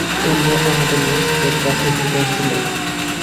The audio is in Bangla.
তুমি আমাদের লোকদের কাছে হিরো ছিলে।